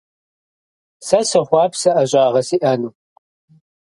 Сэ сохъуапсэ ӀэщӀагъэ сиӀэну.